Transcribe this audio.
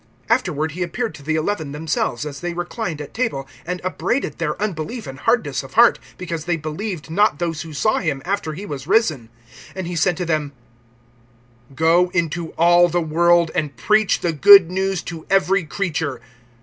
(14)Afterward he appeared to the eleven themselves as they reclined at table, and upbraided their unbelief and hardness of heart, because they believed not those who saw him after he was risen. (15)And he said to them: Go into all the world, and preach the good news to every creature.